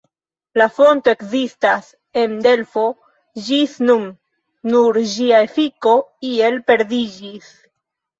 La fonto ekzistas en Delfo ĝis nun, nur ĝia efiko iel perdiĝis.